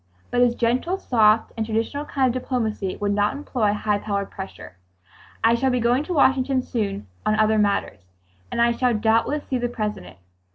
But his gentle, soft and traditional kind of diplomacy would not employ high powered pressure. "I shall be going to Washington soon on other matters, and I shall doubtless see the President.